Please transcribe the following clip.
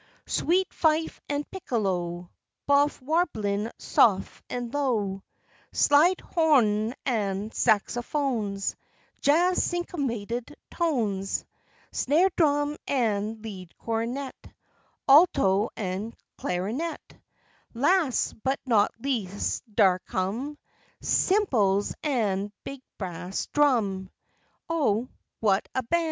Sweet fife an' piccalo, Bofe warblin' sof an' lo' Slide ho'n an' saxophones, Jazz syncopated tones, Snare drum an' lead cornet, Alto an' clarinet, Las', but not least, dar cum Cymbals an' big bass drum O! whut a ban'!